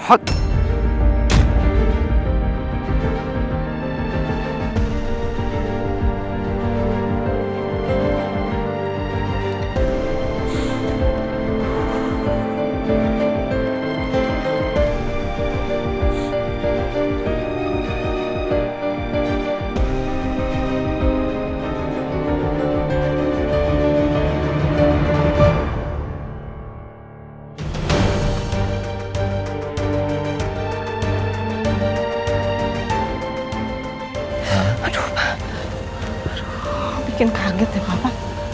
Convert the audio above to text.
aduh apa yang terjadi